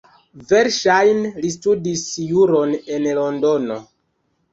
Verŝajne li studis juron en Londono.